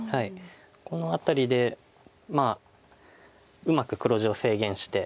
この辺りでまあうまく黒地を制限して。